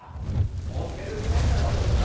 モテるね社長さん